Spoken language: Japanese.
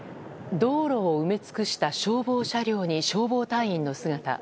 道路を埋め尽くした消防車両に消防隊員の姿。